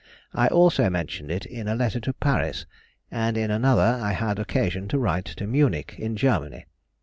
I also mentioned it in a letter to Paris, and in another I had occasion to write to Munich, in Germany.